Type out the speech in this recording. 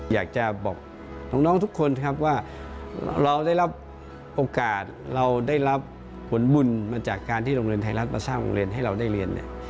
อยากจะบอกน้องทุกคนครับว่าเราได้รับโอกาสเราได้รับผลบุญมาจากการที่โรงเรียนไทยรัฐมาสร้างโรงเรียนให้เราได้เรียนเนี่ย